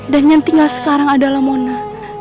dan yang tinggal sekarang adalah mona